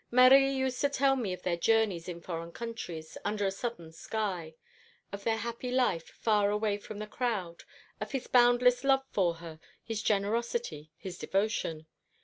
Marie used to tell me of their journeys in foreign countries, under a southern sky. Of their happy life, far away from the crowd; of his boundless love for her, his generosity, his devotion.